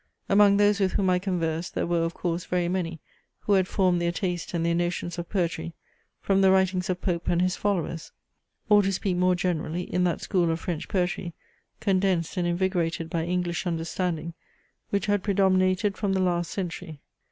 Among those with whom I conversed, there were, of course, very many who had formed their taste, and their notions of poetry, from the writings of Pope and his followers; or to speak more generally, in that school of French poetry, condensed and invigorated by English understanding, which had predominated from the last century.